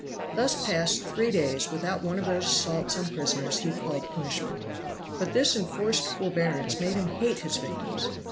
Thus passed three days without one of those assaults on prisoners he called punishment; but this enforced forbearance made him hate his victims.